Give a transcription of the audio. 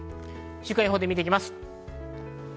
週間天気を見ていきます。